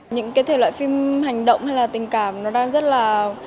những cái thể loại phim hành động hay là tình cảm nó đang rất là